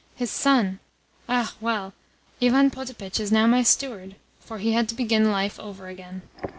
His son! Ah, well! Ivan Potapitch is now my steward, for he had to begin life over again.